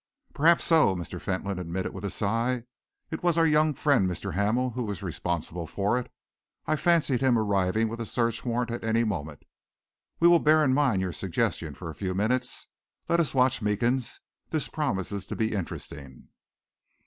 "Perhaps so," Mr. Fentolin admitted, with a sigh. "It was our young friend Mr. Hamel who was responsible for it. I fancied him arriving with a search warrant at any moment. We will bear in mind your suggestion for a few minutes. Let us watch Meekins. This promises to be interesting."